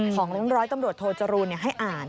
ของร้อยตำรวจโทจรูลให้อ่าน